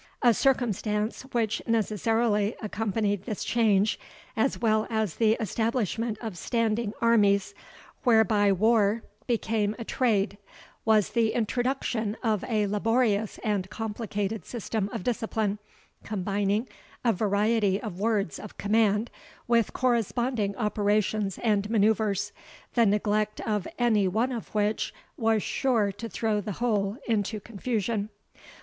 A circumstance which necessarily accompanied this change, as well as the establishment of standing armies, whereby war became a trade, was the introduction of a laborious and complicated system of discipline, combining a variety of words of command with corresponding operations and manoeuvres, the neglect of any one of which was sure to throw the whole into confusion.